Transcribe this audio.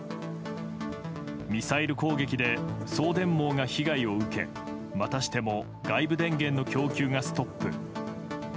ミサイル攻撃で送電網が被害を受けまたしても外部電源の供給がストップ。